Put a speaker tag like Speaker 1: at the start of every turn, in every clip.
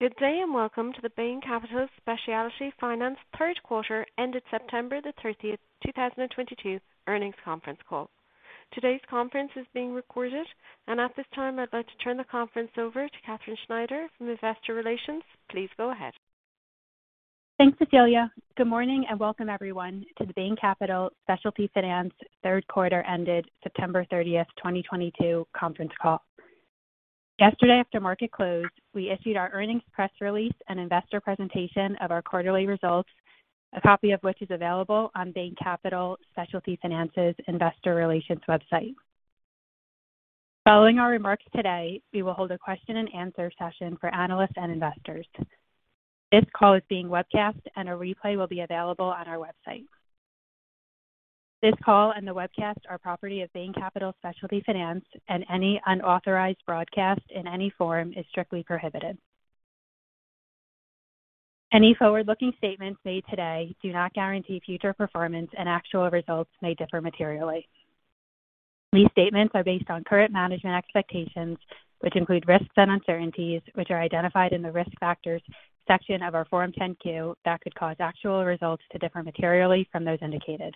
Speaker 1: Good day, and welcome to the Bain Capital Specialty Finance third quarter ended September 30th, 2022 earnings conference call. Today's conference is being recorded. At this time, I'd like to turn the conference over to Katherine Schneider from Investor Relations. Please go ahead.
Speaker 2: Thanks, Katherine Schneider. Good morning, and welcome everyone to the Bain Capital Specialty Finance third quarter ended September 30th, 2022 conference call. Yesterday, after the market closed, we issued our earnings press release and investor presentation of our quarterly results, a copy of which is available on Bain Capital Specialty Finance's investor relations website. Following our remarks today, we will hold a question and answer session for analysts and investors. This call is being webcast, and a replay will be available on our website. This call and the webcast are property of Bain Capital Specialty Finance, and any unauthorized broadcast in any form is strictly prohibited. Any forward-looking statements made today do not guarantee future performance, and actual results may differ materially. These statements are based on current management expectations, which include risks and uncertainties, which are identified in the Risk Factors section of our Form 10-Q that could cause actual results to differ materially from those indicated.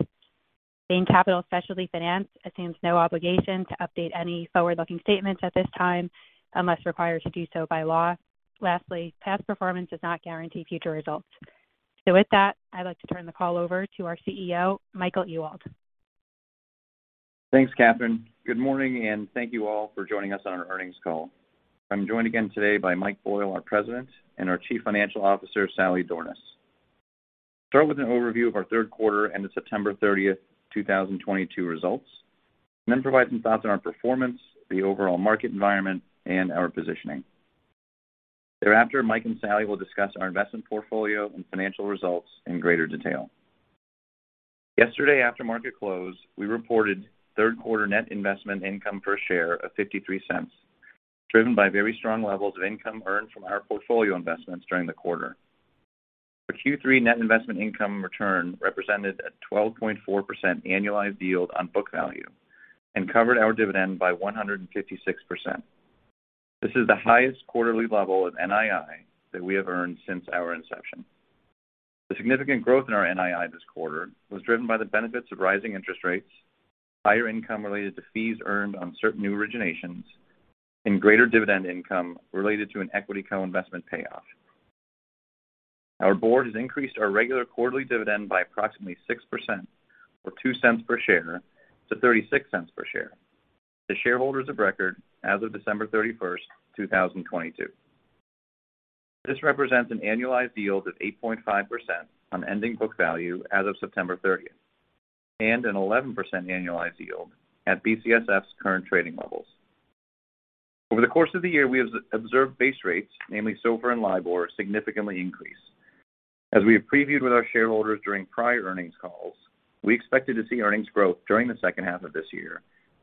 Speaker 2: Bain Capital Specialty Finance assumes no obligation to update any forward-looking statements at this time unless required to do so by law. Lastly, past performance does not guarantee future results. With that, I'd like to turn the call over to our CEO, Michael Ewald.
Speaker 3: Thanks, Katherine. Good morning, and thank you all for joining us on our earnings call. I'm joined again today by Mike Boyle, our president, and our Chief Financial Officer, Sally Dornaus. Start with an overview of our third quarter and the September 30th, 2022 results, and then provide some thoughts on our performance, the overall market environment, and our positioning. Thereafter, Mike and Sally will discuss our investment portfolio and financial results in greater detail. Yesterday, after market close, we reported third quarter net investment income per share of $0.53, driven by very strong levels of income earned from our portfolio investments during the quarter. Our Q3 net investment income return represented a 12.4% annualized yield on book value and covered our dividend by 156%. This is the highest quarterly level of NII that we have earned since our inception. The significant growth in our NII this quarter was driven by the benefits of rising interest rates, higher income related to fees earned on certain new originations, and greater dividend income related to an equity co-investment payoff. Our Board has increased our regular quarterly dividend by approximately 6% or $0.02 per share to $0.36 per share to shareholders of record as of December 31st, 2022. This represents an annualized yield of 8.5% on ending book value as of September 30th, and an 11% annualized yield at BCSF's current trading levels. Over the course of the year, we have observed base rates, namely SOFR and LIBOR, significantly increase. As we have previewed with our shareholders during prior earnings calls, we expected to see earnings growth during the second half of this year,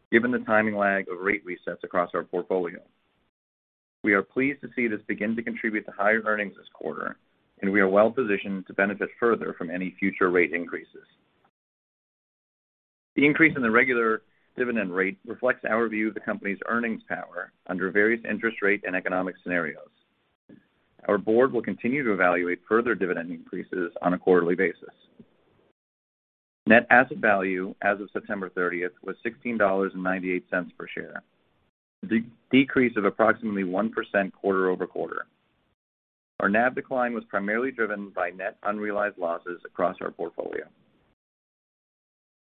Speaker 3: given the timing lag of rate resets across our portfolio. We are pleased to see this begin to contribute to higher earnings this quarter, and we are well positioned to benefit further from any future rate increases. The increase in the regular dividend rate reflects our view of the company's earnings power under various interest rate and economic scenarios. Our Board will continue to evaluate further dividend increases on a quarterly basis. Net asset value as of September 30th was $16.98 per share, a decrease of approximately 1% quarter-over-quarter. Our NAV decline was primarily driven by net unrealized losses across our portfolio.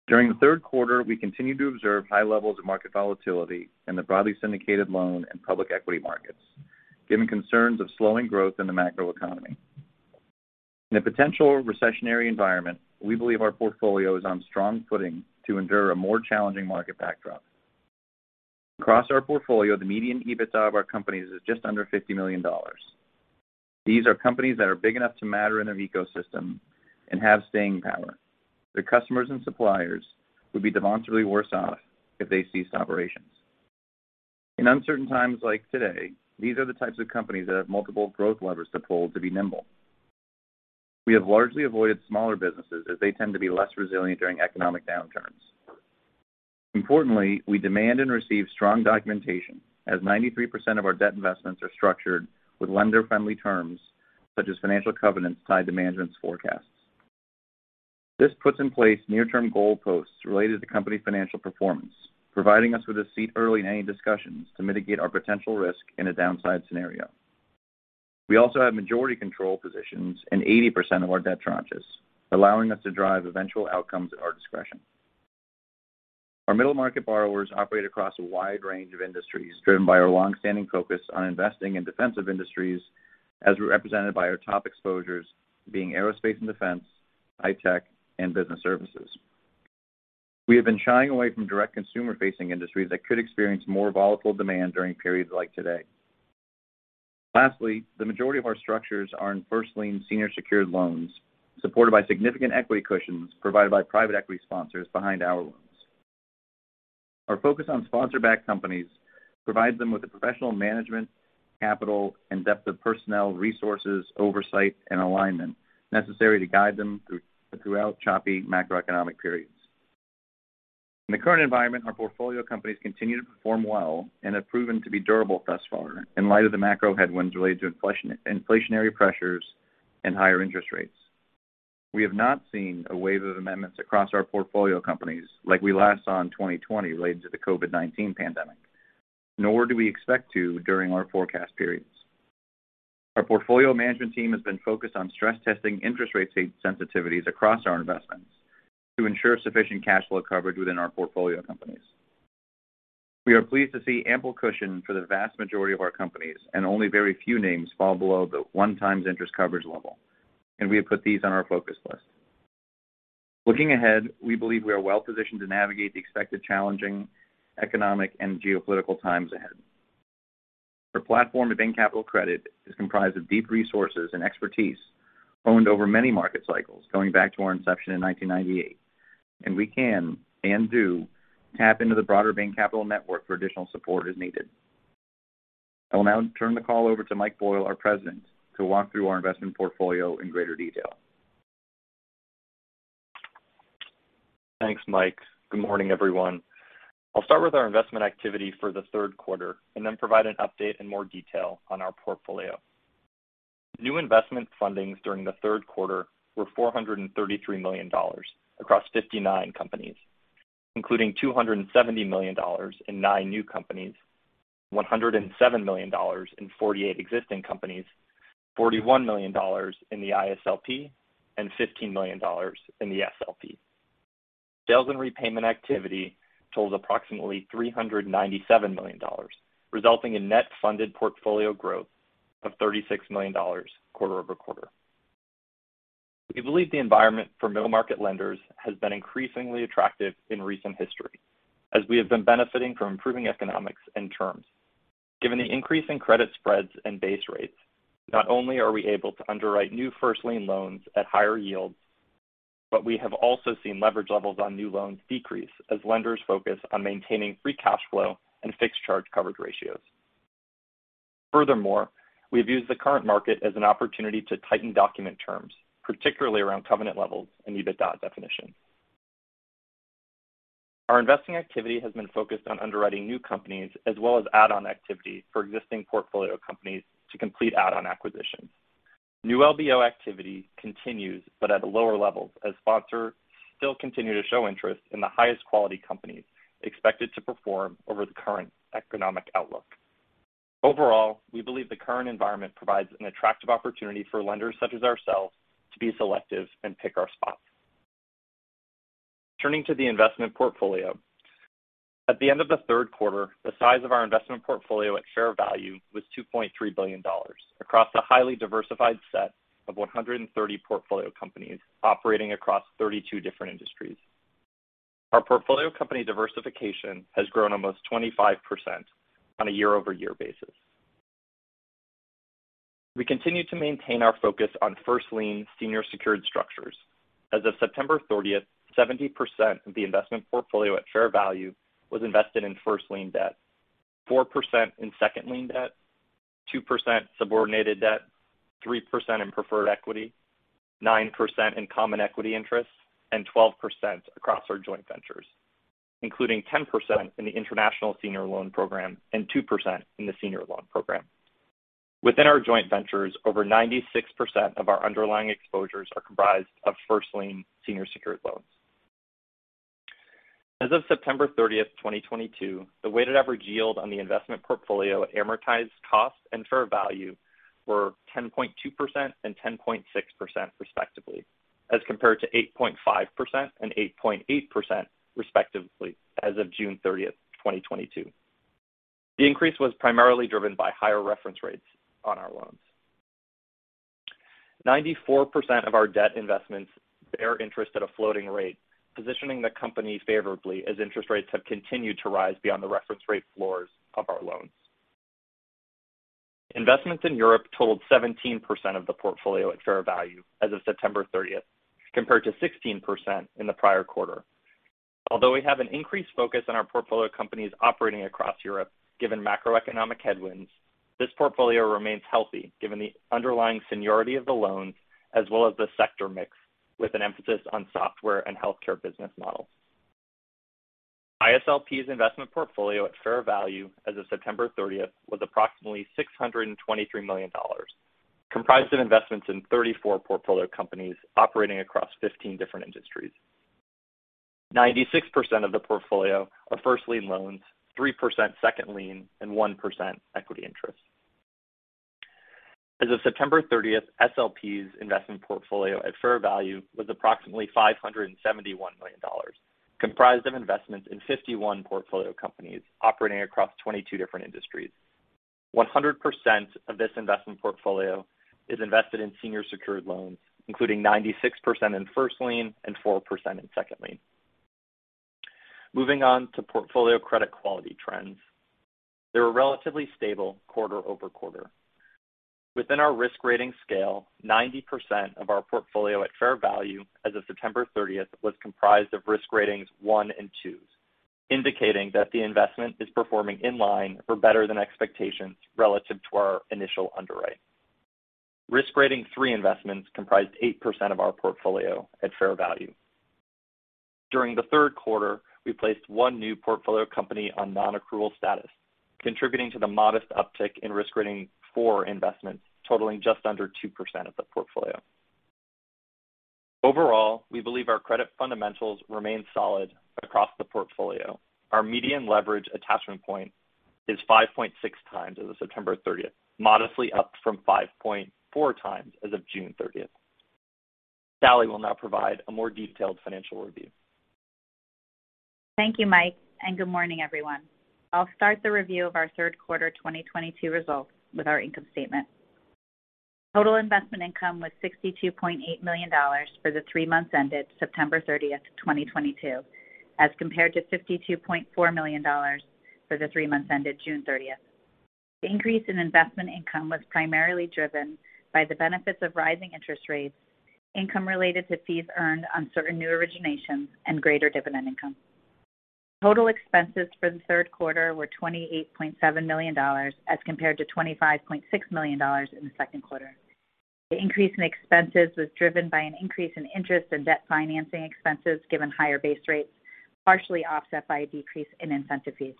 Speaker 3: During the third quarter, we continued to observe high levels of market volatility in the broadly syndicated loan and public equity markets, given concerns of slowing growth in the macro economy. In a potential recessionary environment, we believe our portfolio is on strong footing to endure a more challenging market backdrop. Across our portfolio, the median EBITDA of our companies is just under $50 million. These are companies that are big enough to matter in their ecosystem and have staying power. Their customers and suppliers would be demonstrably worse off if they ceased operations. In uncertain times like today, these are the types of companies that have multiple growth levers to pull to be nimble. We have largely avoided smaller businesses as they tend to be less resilient during economic downturns. Importantly, we demand and receive strong documentation as 93% of our debt investments are structured with lender-friendly terms such as financial covenants tied to management's forecasts. This puts in place near-term goalposts related to company financial performance, providing us with a seat early in any discussions to mitigate our potential risk in a downside scenario. We also have majority control positions in 80% of our debt tranches, allowing us to drive eventual outcomes at our discretion. Our middle market borrowers operate across a wide range of industries driven by our long-standing focus on investing in defensive industries as represented by our top exposures being aerospace and defense, high tech, and business services. We have been shying away from direct consumer-facing industries that could experience more volatile demand during periods like today. Lastly, the majority of our structures are in first lien senior secured loans supported by significant equity cushions provided by private equity sponsors behind our loans. Our focus on sponsor-backed companies provides them with the professional management, capital, and depth of personnel, resources, oversight, and alignment necessary to guide them throughout choppy macroeconomic periods. In the current environment, our portfolio companies continue to perform well and have proven to be durable thus far in light of the macro headwinds related to inflationary pressures and higher interest rates. We have not seen a wave of amendments across our portfolio companies like we last saw in 2020 related to the COVID-19 pandemic, nor do we expect to during our forecast periods. Our portfolio management team has been focused on stress testing interest rate sensitivities across our investments to ensure sufficient cash flow coverage within our portfolio companies. We are pleased to see ample cushion for the vast majority of our companies, and only very few names fall below the 1x interest coverage level, and we have put these on our focus list. Looking ahead, we believe we are well-positioned to navigate the expected challenging economic and geopolitical times ahead. Our platform at Bain Capital Credit is comprised of deep resources and expertise honed over many market cycles going back to our inception in 1998, and we can and do tap into the broader Bain Capital network for additional support as needed. I will now turn the call over to Mike Boyle, our president, to walk through our investment portfolio in greater detail.
Speaker 4: Thanks, Mike. Good morning, everyone. I'll start with our investment activity for the third quarter and then provide an update in more detail on our portfolio. New investment fundings during the third quarter were $433 million across 59 companies, including $270 million in nine new companies, $107 million in 48 existing companies, $41 million in the ISLP, and $15 million in the SLP. Sales and repayment activity totaled approximately $397 million, resulting in net funded portfolio growth of $36 million quarter-over-quarter. We believe the environment for middle-market lenders has been increasingly attractive in recent history as we have been benefiting from improving economics and terms. Given the increase in credit spreads and base rates, not only are we able to underwrite new first lien loans at higher yields, but we have also seen leverage levels on new loans decrease as lenders focus on maintaining free cash flow and fixed charge coverage ratios. Furthermore, we've used the current market as an opportunity to tighten document terms, particularly around covenant levels and EBITDA definition. Our investing activity has been focused on underwriting new companies as well as add-on activity for existing portfolio companies to complete add-on acquisitions. New LBO activity continues but at lower levels as sponsors still continue to show interest in the highest quality companies expected to perform over the current economic outlook. Overall, we believe the current environment provides an attractive opportunity for lenders such as ourselves to be selective and pick our spots. Turning to the investment portfolio. At the end of the third quarter, the size of our investment portfolio at fair value was $2.3 billion across a highly diversified set of 130 portfolio companies operating across 32 different industries. Our portfolio company diversification has grown almost 25% on a year-over-year basis. We continue to maintain our focus on first lien senior secured structures. As of September 30th, 70% of the investment portfolio at fair value was invested in first lien debt, 4% in second lien debt, 2% subordinated debt, 3% in preferred equity, 9% in common equity interests, and 12% across our joint ventures, including 10% in the International Senior Loan Program and 2% in the Senior Loan Program. Within our joint ventures, over 96% of our underlying exposures are comprised of first lien senior secured loans. As of September 30th, 2022, the weighted average yield on the investment portfolio amortized cost and fair value were 10.2% and 10.6% respectively, as compared to 8.5% and 8.8% respectively as of June 30th, 2022. The increase was primarily driven by higher reference rates on our loans. 94% of our debt investments bear interest at a floating rate, positioning the company favorably as interest rates have continued to rise beyond the reference rate floors of our loans. Investments in Europe totaled 17% of the portfolio at fair value as of September 30th, compared to 16% in the prior quarter. Although we have an increased focus on our portfolio of companies operating across Europe, given macroeconomic headwinds, this portfolio remains healthy given the underlying seniority of the loans as well as the sector mix, with an emphasis on software and healthcare business models. ISLP's investment portfolio at fair value as of September 30th was approximately $623 million, comprised of investments in 34 portfolio companies operating across 15 different industries. 96% of the portfolio are first lien loans, 3% second lien, and 1% equity interest. As of September 30th, SLP's investment portfolio at fair value was approximately $571 million, comprised of investments in 51 portfolio companies operating across 22 different industries. 100% of this investment portfolio is invested in senior secured loans, including 96% in first lien and 4% in second lien. Moving on to portfolio credit quality trends. They were relatively stable quarter-over-quarter. Within our risk rating scale, 90% of our portfolio at fair value as of September 30th was comprised of risk ratings 1 and 2, indicating that the investment is performing in line or better than expectations relative to our initial underwrite. Risk rating 3 investments comprised 8% of our portfolio at fair value. During the third quarter, we placed one new portfolio company on non-accrual status, contributing to the modest uptick in risk rating for investments totaling just under 2% of the portfolio. Overall, we believe our credit fundamentals remain solid across the portfolio. Our median leverage attachment point is 5.6x as of September 30th, modestly up from 5.4x as of June 30th. Sally will now provide a more detailed financial review.
Speaker 5: Thank you, Mike, and good morning, everyone. I'll start the review of our third quarter 2022 results with our income statement. Total investment income was $62.8 million for the three months ended September 30th, 2022, as compared to $52.4 million for the three months ended June 30th. The increase in investment income was primarily driven by the benefits of rising interest rates, income related to fees earned on certain new originations and greater dividend income. Total expenses for the third quarter were $28.7 million, as compared to $25.6 million in the second quarter. The increase in expenses was driven by an increase in interest and debt financing expenses, given higher base rates, partially offset by a decrease in incentive fees.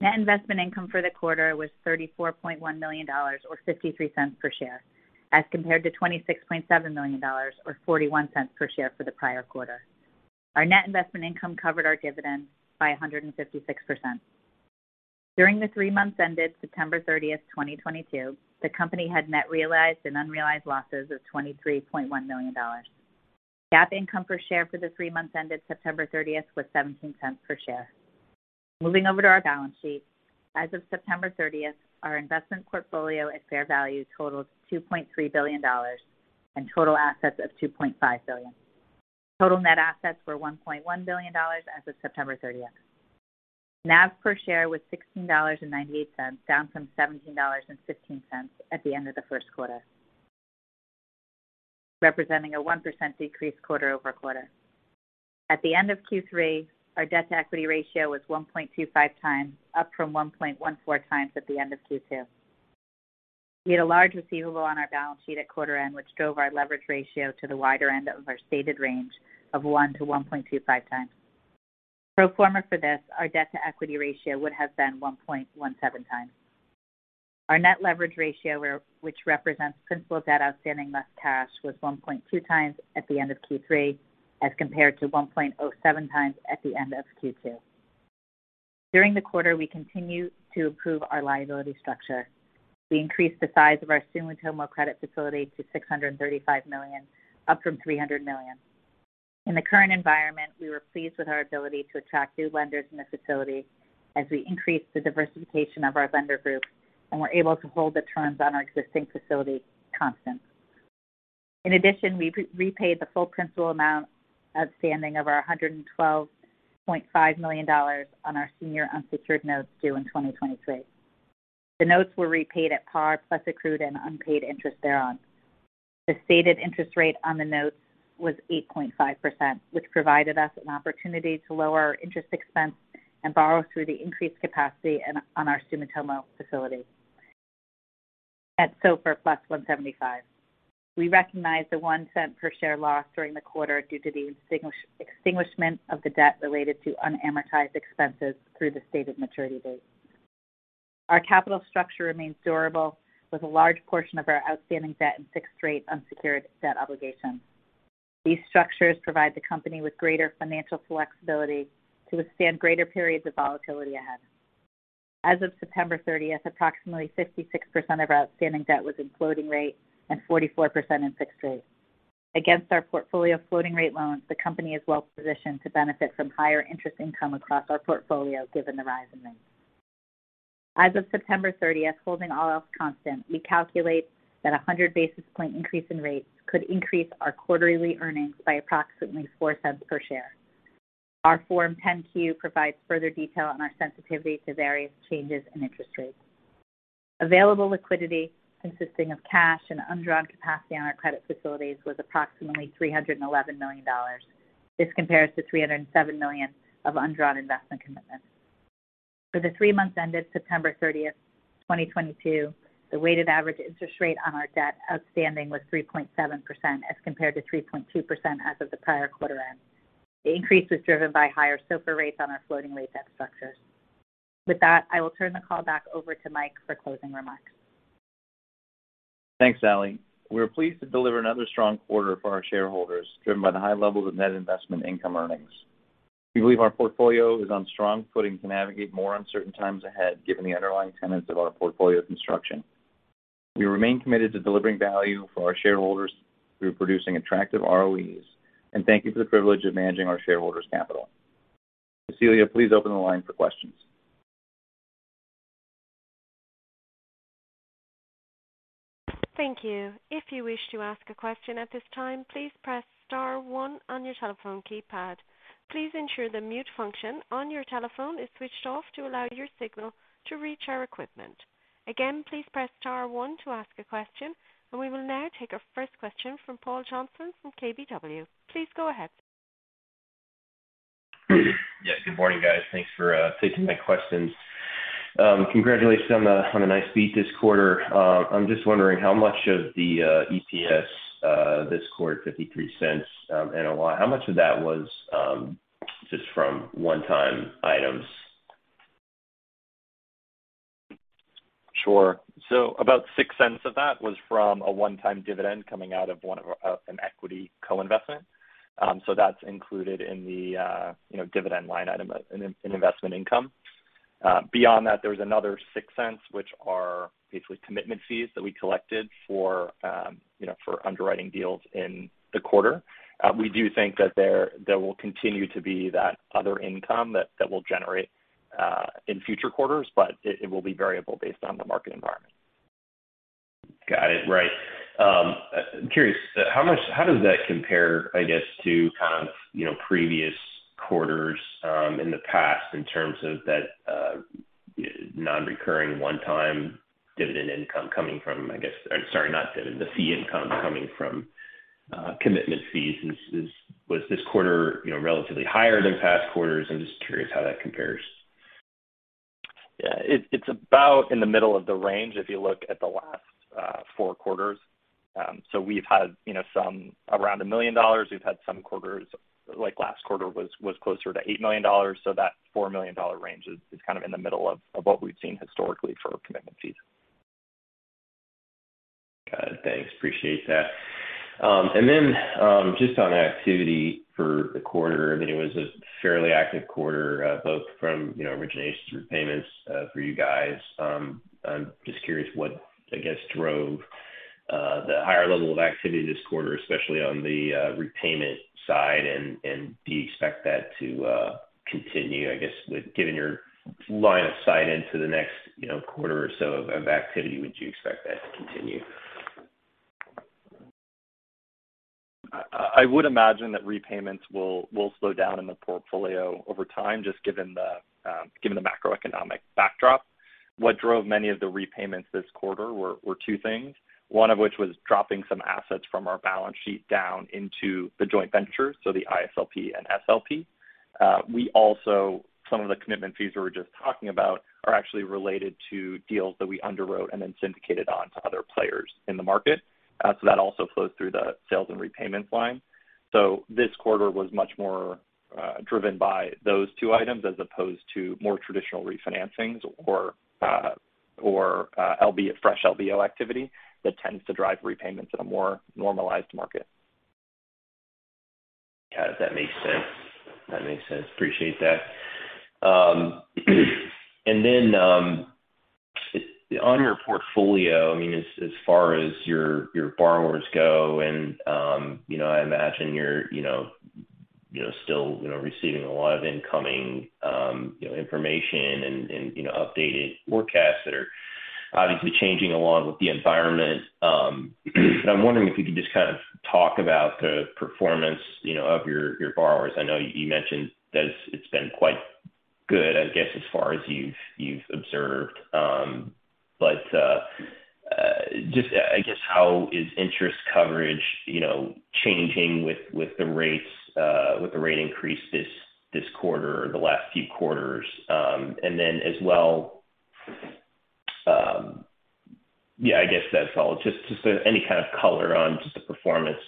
Speaker 5: Net investment income for the quarter was $34.1 million or $0.53 per share, as compared to $26.7 million or $0.41 per share for the prior quarter. Our net investment income covered our dividend by 156%. During the three months ended September 30th, 2022, the company had net realized and unrealized losses of $23.1 million. GAAP income per share for the three months ended September 30th was $0.17 per share. Moving over to our balance sheet. As of September 30th, our investment portfolio at fair value totals $2.3 billion and total assets of $2.5 billion. Total net assets were $1.1 billion as of September 30th. NAV per share was $16.98, down from $17.15 at the end of the first quarter, representing a 1% decrease quarter-over-quarter. At the end of Q3, our debt-to-equity ratio was 1.25x, up from 1.14x at the end of Q2. We had a large receivable on our balance sheet at quarter end, which drove our leverage ratio to the wider end of our stated range of 1x-1.25x. Pro forma for this, our debt-to-equity ratio would have been 1.17x. Our net leverage ratio, which represents principal debt outstanding less cash, was 1.2x at the end of Q3, as compared to 1.07x at the end of Q2. During the quarter, we continued to improve our liability structure. We increased the size of our Sumitomo credit facility to $635 million, up from $300 million. In the current environment, we were pleased with our ability to attract new lenders in this facility as we increased the diversification of our lender group and were able to hold the terms on our existing facility constant. In addition, we repaid the full principal amount outstanding of our $112.5 million on our senior unsecured notes due in 2023. The notes were repaid at par plus accrued and unpaid interest thereon. The stated interest rate on the notes was 8.5%, which provided us an opportunity to lower our interest expense and borrow through the increased capacity on our Sumitomo facility at SOFR +1.75%. We recognized the $0.01 per share loss during the quarter due to the extinguishment of the debt related to unamortized expenses through the stated maturity date. Our capital structure remains durable, with a large portion of our outstanding debt and fixed-rate unsecured debt obligations. These structures provide the company with greater financial flexibility to withstand greater periods of volatility ahead. As of September 30th, approximately 56% of our outstanding debt was in floating rate and 44% in fixed rate. Against our portfolio of floating rate loans, the company is well positioned to benefit from higher interest income across our portfolio given the rise in rates. As of September 30th, holding all else constant, we calculate that a 100 basis point increase in rates could increase our quarterly earnings by approximately $0.04 per share. Our Form 10-Q provides further detail on our sensitivity to various changes in interest rates. Available liquidity consisting of cash and undrawn capacity on our credit facilities was approximately $311 million. This compares to $307 million of undrawn investment commitments. For the three months ended September 30th, 2022, the weighted average interest rate on our debt outstanding was 3.7%, as compared to 3.2% as of the prior quarter end. The increase was driven by higher SOFR rates on our floating rate debt structures. With that, I will turn the call back over to Mike for closing remarks.
Speaker 4: Thanks, Sally. We were pleased to deliver another strong quarter for our shareholders, driven by the high levels of net investment income earnings. We believe our portfolio is on strong footing to navigate more uncertain times ahead, given the underlying tenets of our portfolio construction. We remain committed to delivering value for our shareholders through producing attractive ROEs, and thank you for the privilege of managing our shareholders' capital. Cecilia, please open the line for questions.
Speaker 1: Thank you. If you wish to ask a question at this time, please press star one on your telephone keypad. Please ensure the mute function on your telephone is switched off to allow your signal to reach our equipment. Again, please press star one to ask a question. We will now take our first question from Paul Johnson from KBW. Please go ahead.
Speaker 6: Good morning, guys. Thanks for taking my questions. Congratulations on the nice beat this quarter. I'm just wondering how much of the EPS this quarter, $0.53, NII, how much of that was just from one-time items?
Speaker 4: Sure. About $0.06 of that was from a one-time dividend coming out of one of our an equity co-investment. That's included in the you know, dividend line item in investment income. Beyond that, there was another $0.06, which are basically commitment fees that we collected for you know, for underwriting deals in the quarter. We do think that there will continue to be that other income that will generate in future quarters, but it will be variable based on the market environment.
Speaker 6: Got it. Right. I'm curious, how does that compare, I guess, to kind of, you know, previous quarters in the past in terms of that non-recurring one-time dividend income coming from, I guess. Or sorry, not dividend, the fee income coming from commitment fees. Was this quarter, you know, relatively higher than past quarters? I'm just curious how that compares.
Speaker 4: Yeah. It's about in the middle of the range if you look at the last four quarters. We've had, you know, some around $1 million. We've had some quarters, like last quarter was closer to $8 million, so that $4 million dollar range is kind of in the middle of what we've seen historically for commitment fees.
Speaker 6: Got it. Thanks. Appreciate that. Just on activity for the quarter, I mean, it was a fairly active quarter, both from, you know, originations, repayments, for you guys. I'm just curious what, I guess, drove the higher level of activity this quarter, especially on the repayment side, and do you expect that to continue, I guess, given your line of sight into the next, you know, quarter or so of activity, would you expect that to continue?
Speaker 4: I would imagine that repayments will slow down in the portfolio over time, just given the macroeconomic backdrop. What drove many of the repayments this quarter were two things. One of which was dropping some assets from our balance sheet down into the joint venture, so the ISLP and SLP. Some of the commitment fees we were just talking about are actually related to deals that we underwrote and then syndicated on to other players in the market. That also flows through the sales and repayments line. This quarter was much more driven by those two items as opposed to more traditional refinancings or LBO, fresh LBO activity that tends to drive repayments in a more normalized market.
Speaker 6: Got it. That makes sense. Appreciate that. And then, on your portfolio, I mean, as far as your borrowers go, and, you know, I imagine you're, you know, still, you know, receiving a lot of incoming, you know, information and, you know, updated forecasts that are obviously changing along with the environment. And I'm wondering if you could just kind of talk about the performance, you know, of your borrowers. I know you mentioned that it's been quite good, I guess, as far as you've observed. Just, I guess, how is interest coverage, you know, changing with the rates, with the rate increase this quarter or the last few quarters? As well. Yeah, I guess that's all. Just any kind of color on just the performance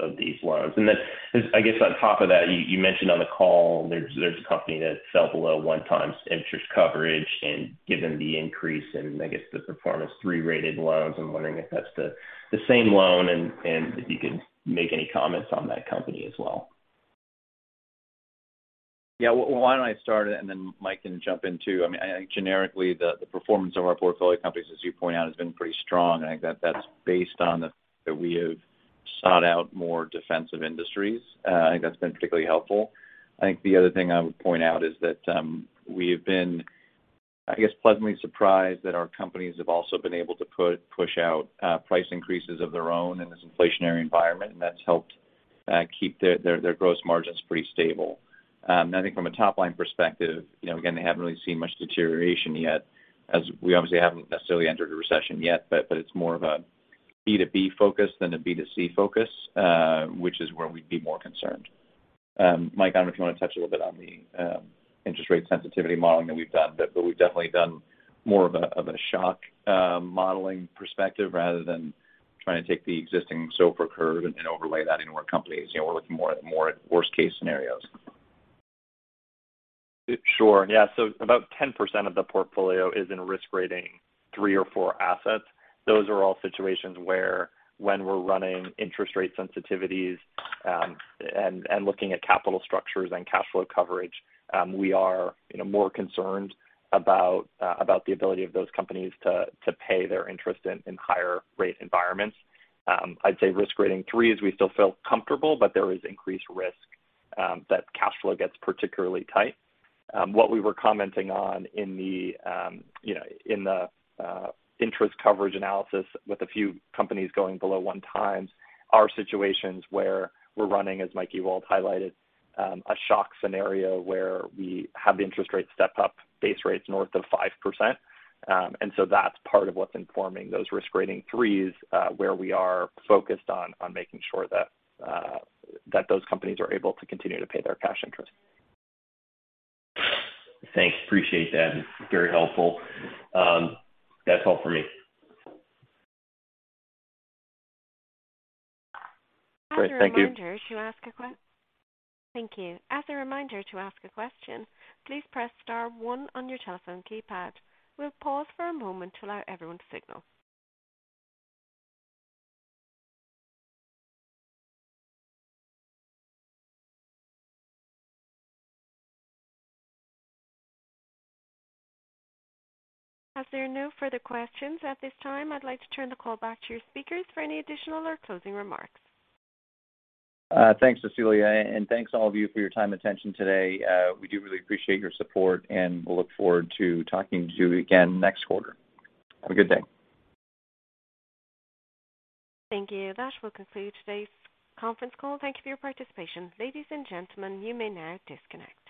Speaker 6: of these loans. 'Cause I guess on top of that, you mentioned on the call there's a company that fell below 1x interest coverage and given the increase in, I guess, the performance three rated loans, I'm wondering if that's the same loan and if you could make any comments on that company as well.
Speaker 3: Yeah. Well, why don't I start it and then Mike can jump in too. I mean, generally, the performance of our portfolio companies, as you point out, has been pretty strong. I think that's based on that we have sought out more defensive industries. I think that's been particularly helpful. I think the other thing I would point out is that, we have been, I guess, pleasantly surprised that our companies have also been able to push out price increases of their own in this inflationary environment, and that's helped keep their gross margins pretty stable. I think from a top-line perspective, you know, again, they haven't really seen much deterioration yet as we obviously haven't necessarily entered a recession yet. It's more of a B2B focus than a B2C focus, which is where we'd be more concerned. Mike, I don't know if you wanna touch a little bit on the interest rate sensitivity modeling that we've done, but we've definitely done more of a shock modeling perspective rather than trying to take the existing SOFR curve and overlay that into our companies. You know, we're looking more at worst case scenarios.
Speaker 4: Sure. Yeah. About 10% of the portfolio is in risk rating 3 or 4 assets. Those are all situations where when we're running interest rate sensitivities, and looking at capital structures and cash flow coverage, we are, you know, more concerned about the ability of those companies to pay their interest in higher rate environments. I'd say risk rating 3 is we still feel comfortable, but there is increased risk that cash flow gets particularly tight. What we were commenting on in the, you know, in the interest coverage analysis with a few companies going below 1x are situations where we're running, as Mike Ewald highlighted, a shock scenario where we have the interest rate step up base rates north of 5%. That's part of what's informing those risk rating 3s, where we are focused on making sure that those companies are able to continue to pay their cash interest.
Speaker 6: Thanks. Appreciate that. Very helpful. That's all for me.
Speaker 4: All right. Thank you.
Speaker 1: Thank you. As a reminder, to ask a question, please press star one on your telephone keypad. We'll pause for a moment to allow everyone to signal. As there are no further questions at this time, I'd like to turn the call back to your speakers for any additional or closing remarks.
Speaker 3: Thanks, Cecilia, and thanks all of you for your time and attention today. We do really appreciate your support, and we'll look forward to talking to you again next quarter. Have a good day.
Speaker 1: Thank you. That will conclude today's conference call. Thank you for your participation. Ladies and gentlemen, you may now disconnect.